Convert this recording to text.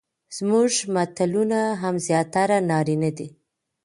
زموږ متلونه هم زياتره نارينه دي،